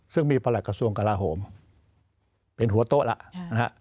ซึ่งมีประหลักกระทรวงกลาโหมเป็นหัวโต๊ะแล้วนะฮะ